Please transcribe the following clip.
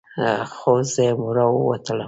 خو زه راووتلم.